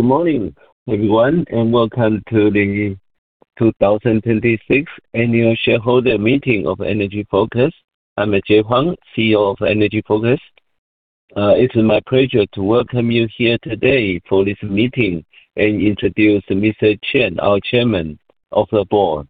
Good morning, everyone, and welcome to the 2026 Annual Shareholder Meeting of Energy Focus. I'm Jay Huang, CEO of Energy Focus. It's my pleasure to welcome you here today for this meeting and introduce Mr. Chen, our Chairman of the Board.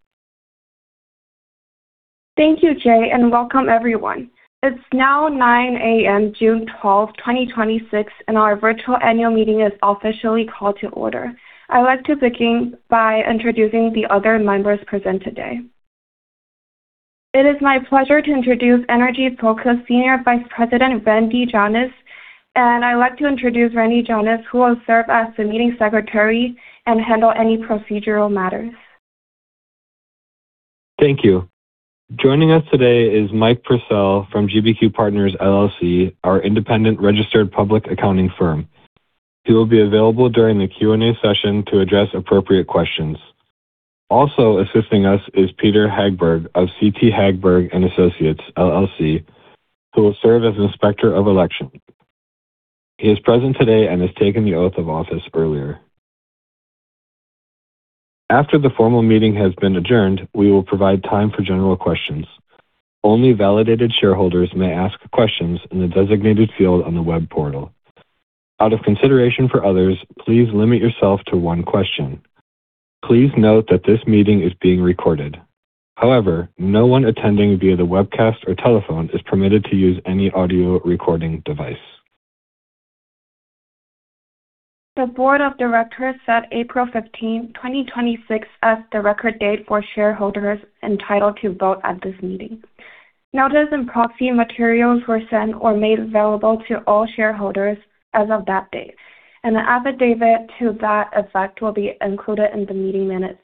Thank you, Jay, welcome everyone. It's now 9:00 A.M., June 12th, 2026, our virtual annual meeting is officially called to order. I'd like to begin by introducing the other members present today. It is my pleasure to introduce Energy Focus Senior Vice President, Randy Gianas. I'd like to introduce Randy Gianas, who will serve as the meeting secretary and handle any procedural matters. Thank you. Joining us today is Mike Purcell from GBQ Partners LLC, our independent registered public accounting firm. He will be available during the Q&A session to address appropriate questions. Also assisting us is Peder Hagberg of CT Hagberg & Associates, LLC, who will serve as Inspector of Election. He is present today and has taken the oath of office earlier. After the formal meeting has been adjourned, we will provide time for general questions. Only validated shareholders may ask questions in the designated field on the web portal. Out of consideration for others, please limit yourself to one question. Please note that this meeting is being recorded. However, no one attending via the webcast or telephone is permitted to use any audio recording device. The Board of Directors set April 15, 2026, as the record date for shareholders entitled to vote at this meeting. Notice and proxy materials were sent or made available to all shareholders as of that date, an affidavit to that effect will be included in the meeting minutes.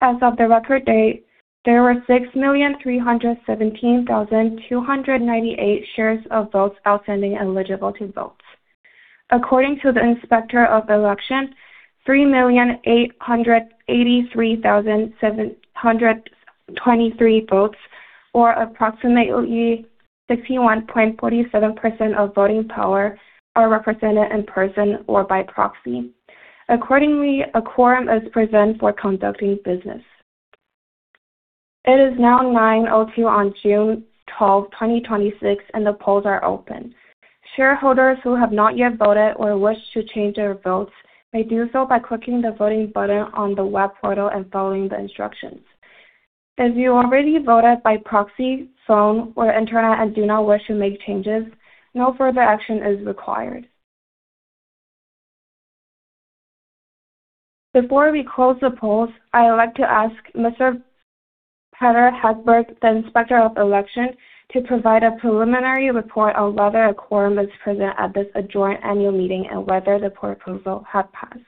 As of the record date, there were 6,317,298 shares of votes outstanding eligible to vote. According to the Inspector of Election, 3,883,723 votes, or approximately 61.47% of voting power, are represented in person or by proxy. Accordingly, a quorum is present for conducting business. It is now 9:02 A.M. on June 12, 2026, the polls are open. Shareholders who have not yet voted or wish to change their votes may do so by clicking the voting button on the web portal and following the instructions. If you already voted by proxy, phone, or internet and do not wish to make changes, no further action is required. Before we close the polls, I would like to ask Mr. Peder Hagberg, the Inspector of Election, to provide a preliminary report on whether a quorum is present at this adjourned annual meeting and whether the proposed votes have passed.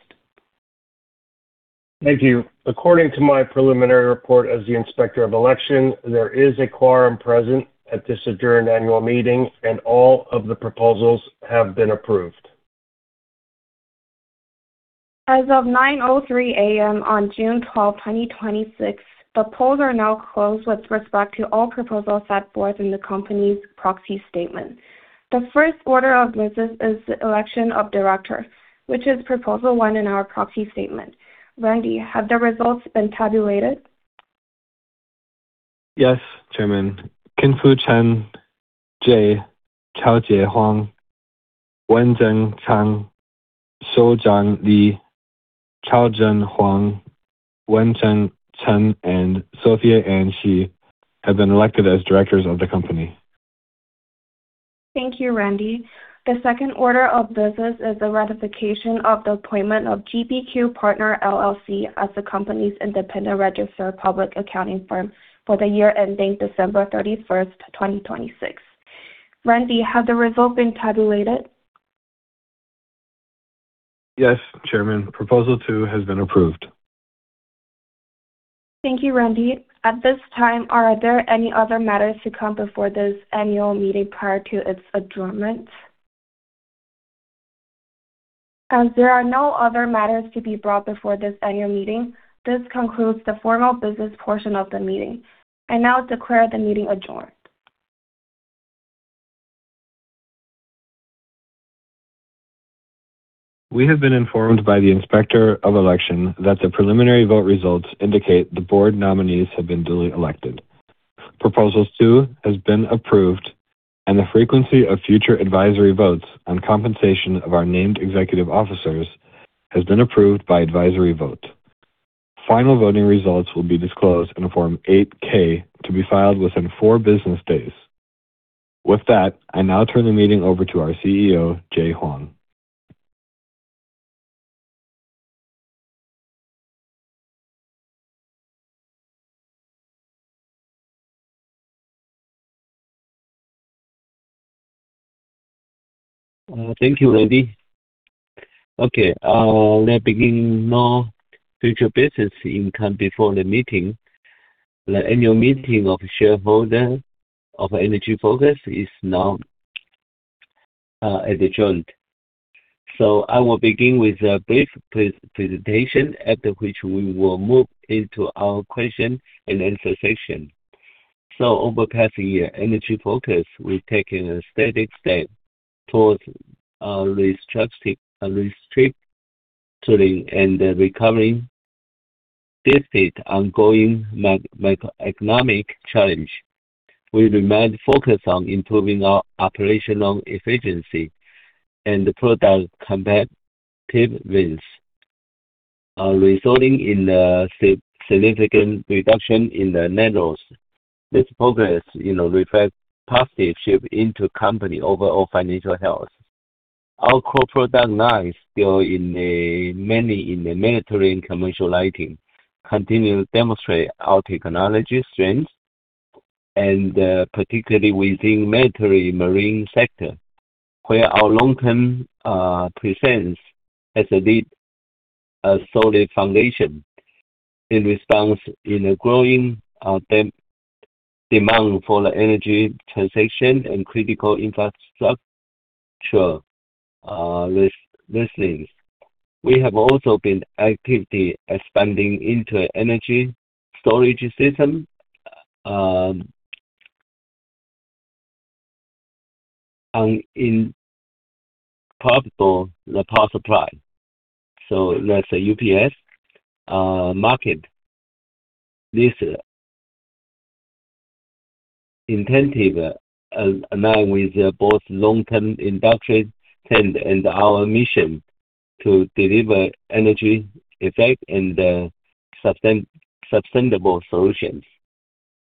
Thank you. According to my preliminary report as the Inspector of Election, there is a quorum present at this adjourned annual meeting, all of the proposals have been approved. As of 9:03 A.M. on June 12, 2026, the polls are now closed with respect to all proposals set forth in the company's proxy statement. The first order of business is the election of directors, which is Proposal 1 in our proxy statement. Randy, have the results been tabulated? Yes, Chairman. Kin-Fu Chen, Jay Chiao Chieh Huang, Wen-Jeng Chang, Shou-Jang Lee, Chao-Jen Huang, Wen-Cheng Chen, and Sophia Ann Shee have been elected as directors of the company. Thank you, Randy. The second order of business is the ratification of the appointment of GBQ Partners LLC as the company's independent registered public accounting firm for the year ending December 31st, 2026. Randy, have the results been tabulated? Yes, Chairman. Proposal 2 has been approved. Thank you, Randy. At this time, are there any other matters to come before this annual meeting prior to its adjournment? As there are no other matters to be brought before this annual meeting, this concludes the formal business portion of the meeting. I now declare the meeting adjourned. We have been informed by the Inspector of Election that the preliminary vote results indicate the board nominees have been duly elected. Proposal 2 has been approved, and the frequency of future advisory votes on compensation of our named executive officers has been approved by advisory vote. Final voting results will be disclosed in Form 8-K to be filed within four business days. With that, I now turn the meeting over to our CEO, Jay Huang. Thank you, Randy. There being no further business to come before the meeting, the annual meeting of shareholders of Energy Focus is now adjourned. I will begin with a brief presentation, after which we will move into our question-and-answer session. Over the past year, Energy Focus, we've taken a steady step towards restructuring and recovering despite ongoing macroeconomic challenge. We remained focused on improving our operational efficiency and product competitiveness, resulting in a significant reduction in the net loss. This progress reflects positive shift into company overall financial health. Our core product line, still mainly in the military and commercial lighting, continue to demonstrate our technology strength, and particularly within military marine sector, where our long-term presence as a LED, a solid foundation in response to the growing demand for the energy transition and critical infrastructure resilience. We have also been actively expanding into energy storage system, and in portable power supply. That's the UPS market. This initiative align with both long-term industry trend and our mission to deliver energy-efficient and sustainable solutions.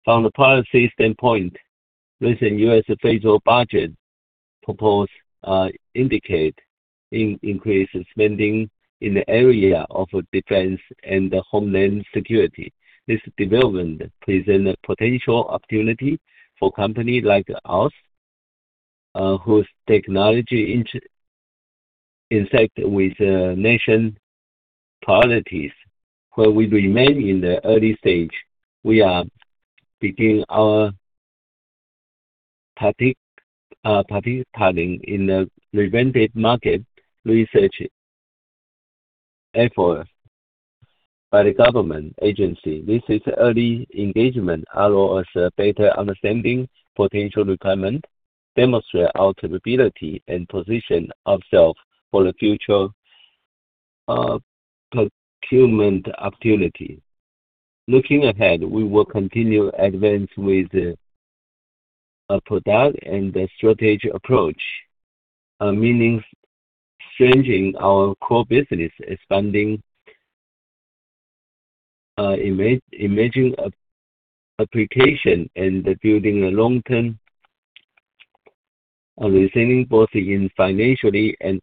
From the policy standpoint, recent U.S. federal budget proposed indicate increased spending in the area of defense and homeland security. This development present a potential opportunity for company like us, whose technology intersect with the nation priorities. While we remain in the early stage, we are beginning our participating in the relevant market research efforts by the government agency. This early engagement allow us a better understanding potential requirement, demonstrate our capability, and position ourselves for the future procurement opportunity. Looking ahead, we will continue advance with product and strategy approach, meaning strengthening our core business, expanding emerging application, and building a long-term resilience, both in financially and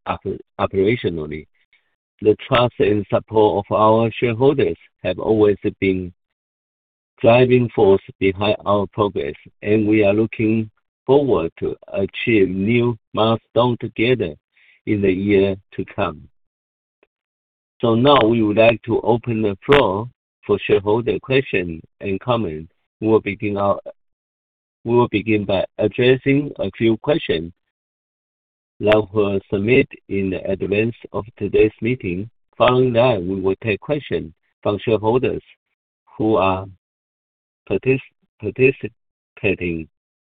operationally. The trust and support of our shareholders have always been driving force behind our progress, and we are looking forward to achieve new milestone together in the year to come. Now we would like to open the floor for shareholder question and comment. We will begin by addressing a few question that were submitted in advance of today's meeting. Following that, we will take question from shareholders who are participating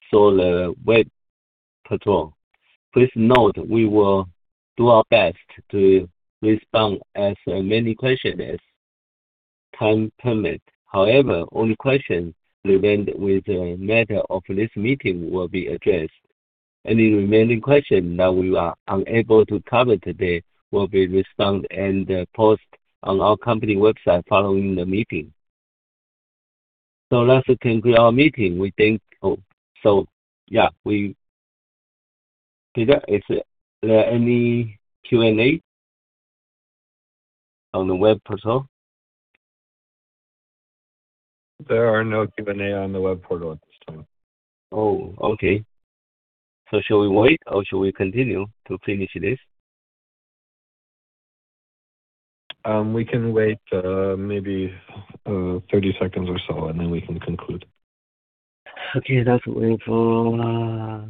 through the web portal. Please note we will do our best to respond as many question as time permit. However, only question relevant with the matter of this meeting will be addressed. Any remaining question that we are unable to cover today will be respond and post on our company website following the meeting. Let's conclude our meeting. Randy, is there any Q&A on the web portal? There are no Q&A on the web portal at this time. Okay. Should we wait or should we continue to finish this? We can wait maybe 30 seconds or so, then we can conclude. Okay, let's wait for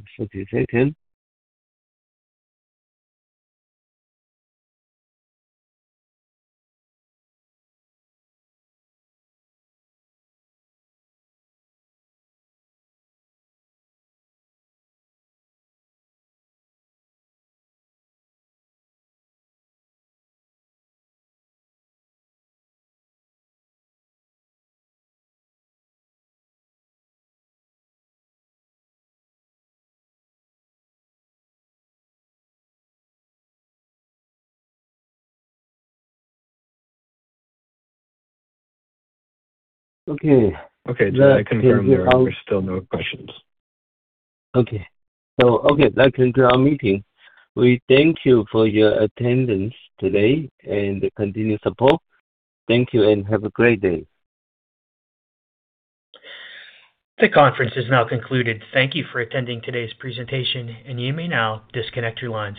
30 seconds. Okay. Okay, Jay, I confirm there are still no questions. Okay. Let's conclude our meeting. We thank you for your attendance today and continued support. Thank you and have a great day. The conference is now concluded. Thank you for attending today's presentation, and you may now disconnect your lines.